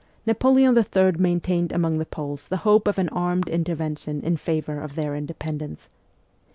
Napoleon III. maintained among the Poles the hope of an armed intervention in favour of their independence.